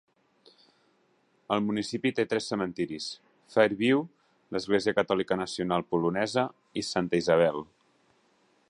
El municipi té tres cementiris: Fairview, l'Església Catòlica Nacional Polonesa i Santa Isabel.